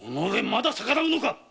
まだ逆らうか。